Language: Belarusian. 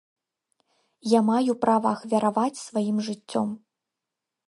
Я маю права ахвяраваць сваім жыццём.